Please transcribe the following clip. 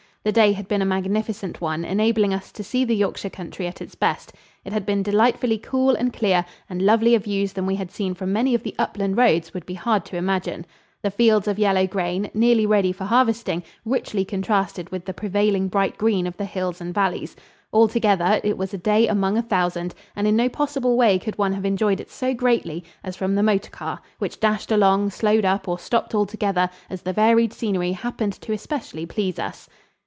The day had been a magnificent one, enabling us to see the Yorkshire country at its best. It had been delightfully cool and clear, and lovelier views than we had seen from many of the upland roads would be hard to imagine. The fields of yellow grain, nearly ready for harvesting, richly contrasted with the prevailing bright green of the hills and valleys. Altogether, it was a day among a thousand, and in no possible way could one have enjoyed it so greatly as from the motor car, which dashed along, slowed up, or stopped altogether, as the varied scenery happened to especially please us.